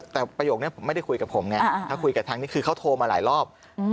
แต่ประโยคนี้ผมไม่ได้คุยกับผมไงถ้าคุยกับทางนี้คือเขาโทรมาหลายรอบ